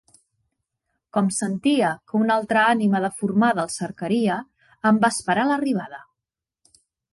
Com sentia que una altra ànima deformada el cercaria, en va esperar l'arribada.